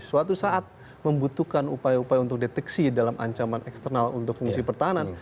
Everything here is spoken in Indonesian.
suatu saat membutuhkan upaya upaya untuk deteksi dalam ancaman eksternal untuk fungsi pertahanan